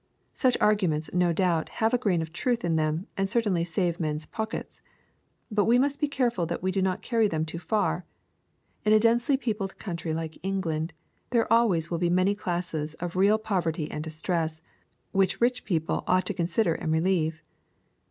Sujh arguments no doubt have a grain of truth in them, and certainly save men's pockets. But we must be careful that we do not carry them too far. In a densely peopled country like England, there always will be many cases of real poverty and distress, which rich people ought to consider and relieve.